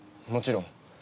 もちろん。